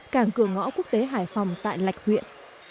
cảng cửa ngõ quốc tế hải phòng tại lạch huyện